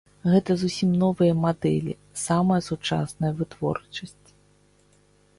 Гэта зусім новыя мадэлі, самая сучасная вытворчасць.